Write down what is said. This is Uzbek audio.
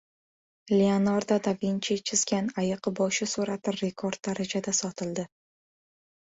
Leonardo da Vinchi chizgan ayiq boshi surati rekord darajada sotildi